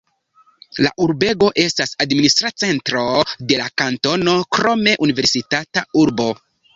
La urbego estas administra centro de la kantono, krome universitata urbo.